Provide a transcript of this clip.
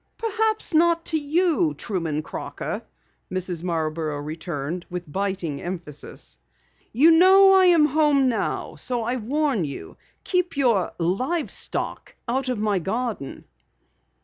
"Perhaps not to you, Truman Crocker," Mrs. Marborough returned with biting emphasis. "You know I am home now, so I warn you keep your live stock out of my garden!"